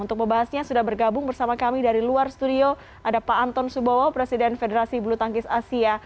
untuk membahasnya sudah bergabung bersama kami dari luar studio ada pak anton subowo presiden federasi bulu tangkis asia